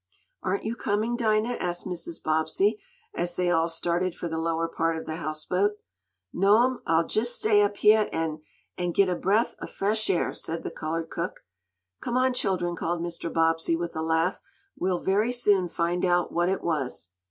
"Aren't you coming, Dinah?" asked Mrs. Bobbsey, as they all started for the lower part of the houseboat. "No'm, I'll jest stay up heah an' an' git a breff ob fresh air," said the colored cook. "Come on, children," called Mr. Bobbsey, with a laugh. "We'll very soon find out what it was."